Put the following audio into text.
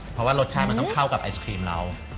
เพราะว่ารสชาติมันก็เอากับไอสกรีมเรา